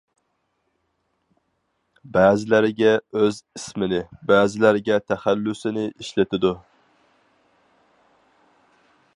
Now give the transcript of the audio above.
بەزىلەرگە ئۆز ئىسمىنى، بەزىلەرگە تەخەللۇسىنى ئىشلىتىدۇ.